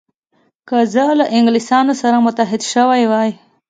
که زه له انګلیسانو سره متحد شوی وای.